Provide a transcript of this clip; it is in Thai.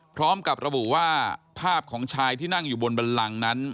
พร้อมกับระบุว่าภาพของชายที่นั่งอยู่บนบันลังนั้น